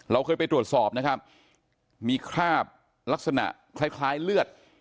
เราเคยไปตรวจสอบนะครับมีคราบลักษณะคล้ายเลือด